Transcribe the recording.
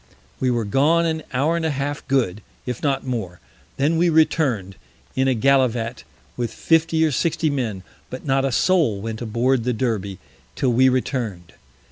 We were gone an Hour and a half good, if not more; then we return'd in a Gallivat with 50 or 60 Men, but not a Soul went aboard the Derby, till we return'd.